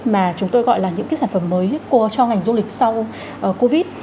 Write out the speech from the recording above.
mà chúng tôi gọi là những cái sản phẩm mới cho ngành du lịch sau covid